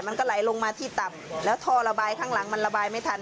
มันก็ไหลลงมาที่ต่ำแล้วท่อระบายข้างหลังมันระบายไม่ทัน